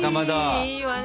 いいわね。